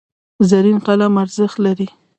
زرین قلم ارزښت لري.